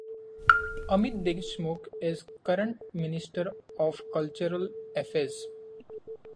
Amit Deshmukh is current Minister of Cultural Affairs.